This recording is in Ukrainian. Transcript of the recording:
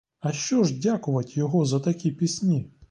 А що ж, дякувать його за такі пісні?